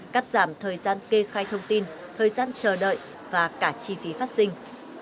cắt giảm thời gian kê khai thông tin thời gian chờ đợi và cả chi phí phát sinh